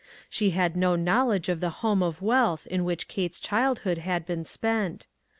She had no knowledge of the home of wealth in which Kate's childhood had been spent.